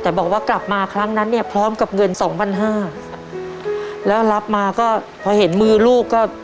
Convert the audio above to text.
แต่บอกว่ากลับมาครั้งนั้นเนี่ยพร้อมกับเงินสองพันห้าแล้วรับมาก็พอเห็นมือลูกก็